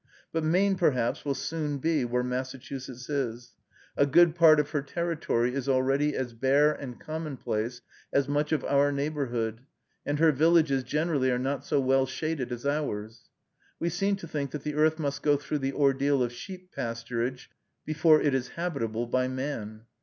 But Maine, perhaps, will soon be where Massachusetts is. A good part of her territory is already as bare and commonplace as much of our neighborhood, and her villages generally are not so well shaded as ours. We seem to think that the earth must go through the ordeal of sheep pasturage before it is habitable by man.